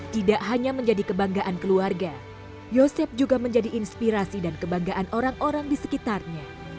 tidak hanya menjadi kebanggaan keluarga yosep juga menjadi inspirasi dan kebanggaan orang orang di sekitarnya